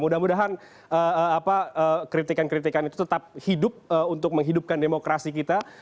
mudah mudahan kritikan kritikan itu tetap hidup untuk menghidupkan demokrasi kita